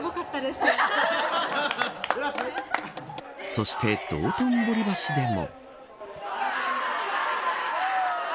そして道頓堀橋でも。